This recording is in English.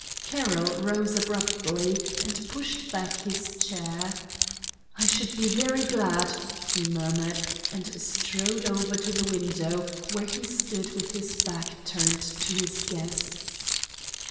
Carroll rose abruptly, and pushed back his chair. "I should be very glad," he murmured, and strode over to the window, where he stood with his back turned to his guests.